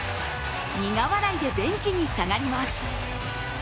苦笑いでベンチに下がります。